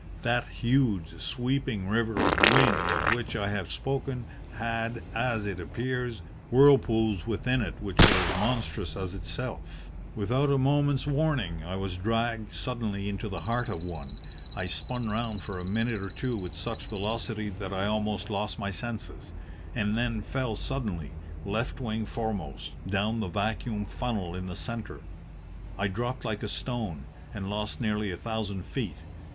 That huge, sweeping river of wind of which I have spoken had, as it appears, whirlpools within it which were as monstrous as itself. Without a moment's warning I was dragged suddenly into the heart of one. I spun round for a minute or two with such velocity that I almost lost my senses, and then fell suddenly, left wing foremost, down the vacuum funnel in the centre. I dropped like a stone, and lost nearly a thousand feet.